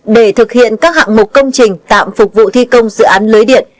để thực hiện các hạng mục công trình tạm phục vụ thi công dự án lưới điện